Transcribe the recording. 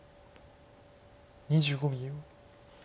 ２５秒。